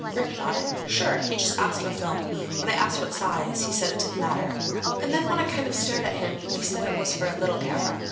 Rick nodded. "Sure. He just asked for film. When I asked what size, he said it didn't matter. And then when I kind of stared at him he said it was for a little camera.